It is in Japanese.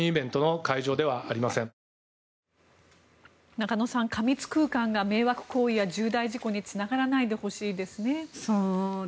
中野さん、過密空間が迷惑行為や重大事故につながらないでほしいですね。